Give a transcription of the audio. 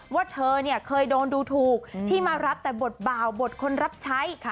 ว่าเธอเนี่ยเคยโดนดูถูกที่มารับแต่บทบ่าวบทคนรับใช้